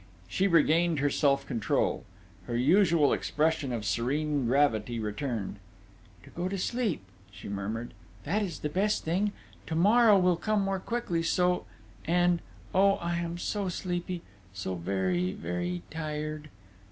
She regained her self control. Her usual expression of serene gravity returned. "To go to sleep," she murmured. "That is the best thing to morrow will come more quickly so and, oh, I am so sleepy, so very, very tired!"